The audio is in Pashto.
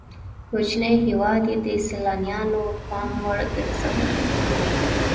کوچنی هېواد یې د سیلانیانو پام وړ ګرځولی.